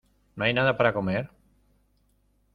No hay nada para comer.